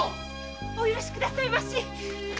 お許しくださいまし。